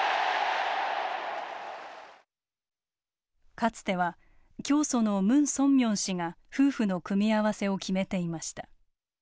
かつては教祖のムン・ソンミョン氏が夫婦の組み合わせを決めていました。